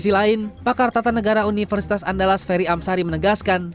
di sisi lain pakar tata negara universitas andalas ferry amsari menegaskan